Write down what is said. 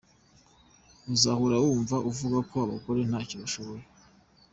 Uzahora wumva avuga ko abagore ntacyo bashoboye.